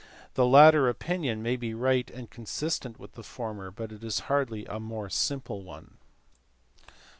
The latter opinion may be right and consistent with the former, but it is hardly a more simple one.